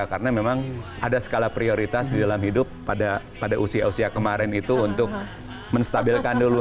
karena memang ada skala prioritas di dalam hidup pada usia usia kemarin itu untuk menstabilkan dulu